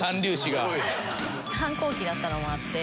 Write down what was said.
反抗期だったのもあって。